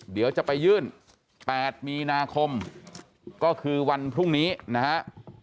เดี๋ยวจะไปยื่น๘มีนาคมก็คือวันพรุ่งนี้นะฮะ